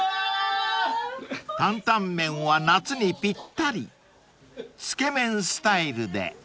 ［担々麺は夏にぴったりつけ麺スタイルで］